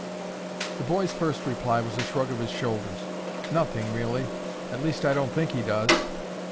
The boy's first reply was a shrug of his shoulders. "Nothing, really; at least I don't think he does."